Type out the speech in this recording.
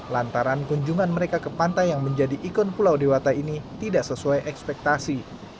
lantaran kunjungan mereka ke pantai yang menjadi ikon pulau dewata ini tidak sesuai ekspektasi